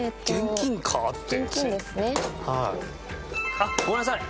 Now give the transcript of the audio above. あっごめんなさい。